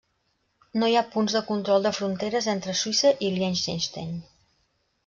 No hi ha punts de control de fronteres entre Suïssa i Liechtenstein.